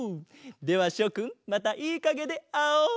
ではしょくんまたいいかげであおう！